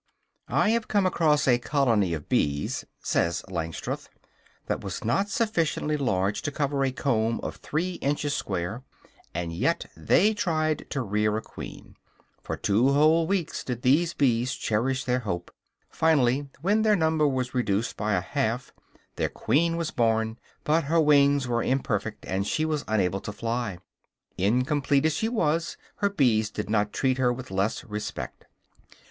"I have come across a colony of bees," says Langstroth, "that was not sufficiently large to cover a comb of three inches square, and yet they tried to rear a queen. For two whole weeks did these bees cherish their hope. Finally, when their number was reduced by a half, their queen was born, but her wings were imperfect, and she was unable to fly. Incomplete as she was, her bees did not treat her with less respect.